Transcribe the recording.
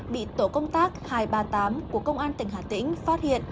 bị tổ công tác hai trăm ba mươi tám của công an tỉnh hà tĩnh phát hiện